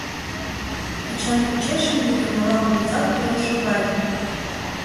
Эчан почеш ынде Емела кугыза пурен шогале.